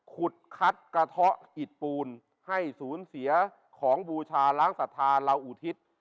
ขุดคัดกระเทาะอิดปูนให้ศูนย์เสียของบูชาล้างศรัทธาเราอุทิศ